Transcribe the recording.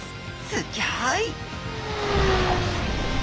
すギョい！